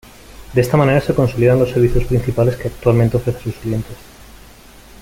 De esta manera se consolidan los servicios principales que actualmente ofrece a sus clientes.